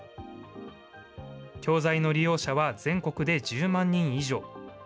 教材の利用者は全国で１０万人以上。